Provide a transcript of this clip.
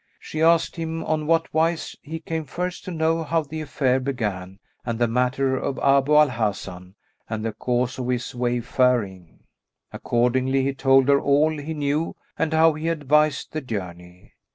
She asked him on what wise he came first to know how the affair began and the matter of Abu al Hasan and the cause of his way faring: accordingly he told her all he knew and how he had advised the journey.